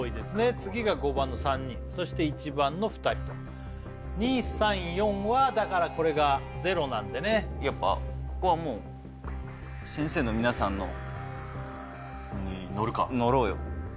次が５番の３人そして１番の２人と２３４はだからこれが０なんでねやっぱここはもう先生の皆さんのにのるかのろうよ